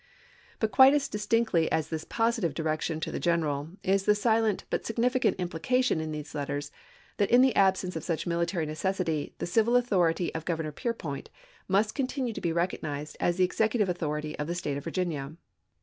But quite as distinctly as this positive direction to the general is the silent but significant implication in these letters that in the absence of such military necessity the civil au thority of Governor Peirpoint must continue to be recognized as the executive authority of the State of Virginia.